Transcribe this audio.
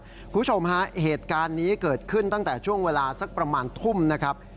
คุณผู้ชมฮะเหตุการณ์นี้เกิดขึ้นตั้งแต่ช่วงเวลาสักประมาณทุ่มนะครับ